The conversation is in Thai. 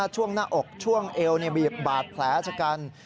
ช่วงหน้าอกช่วงเอวมีบาดแผลชะกัน